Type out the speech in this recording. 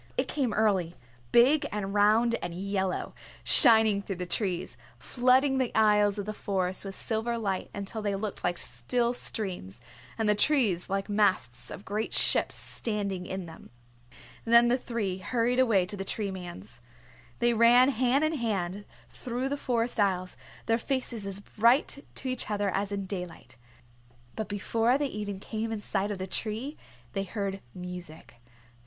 It came early, big and round and yellow, shining through the trees, flooding the aisles of the Forest with silver light until they looked like still streams, and the trees like masts of great ships standing in them. Then the three hurried away to the Tree Man's. They ran hand in hand through the forest aisles, their faces as bright to each other as in daylight. But before they even came in sight of the tree they heard music.